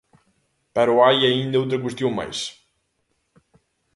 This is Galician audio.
Pero hai aínda outra cuestión máis.